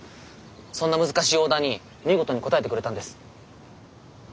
そんな難しいオーダーに見事に応えてくれたんです。